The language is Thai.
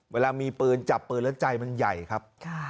เวลามีปืนจับปืนแล้วใจมันใหญ่ครับ